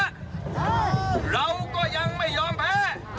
เราก็ยังไม่ยอมแพ้